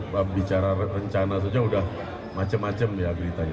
bicara rencana saja sudah macam macam ya